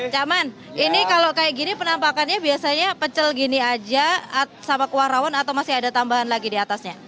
cak man ini kalau kayak gini penampakannya biasanya pecel gini aja sama kuah rawon atau masih ada tambahan lagi di atasnya